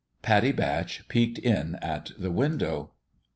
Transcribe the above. Pattie Batch peeked in at the window.